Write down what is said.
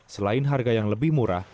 selain harga yang lebih murah